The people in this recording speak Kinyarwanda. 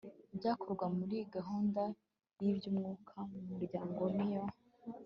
Ibyakorwa muri gahunda y iby umwuka mu muryango n iyo